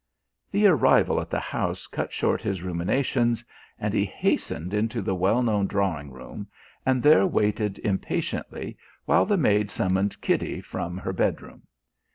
The arrival at the house cut short his ruminations and he hastened into the well known drawing room and there waited impatiently while the maid summoned Kitty from her bedroom.